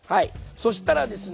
そしたらですね